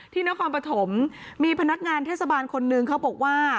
นครปฐมมีพนักงานเทศบาลคนนึงเขาบอกว่า